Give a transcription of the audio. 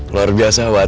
luar biasa wat